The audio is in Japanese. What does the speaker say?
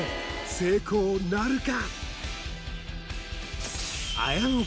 成功なるか？